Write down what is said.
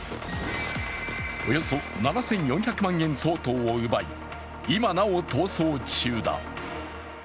およそ７４００万円相当を奪い、今なお逃走中だ。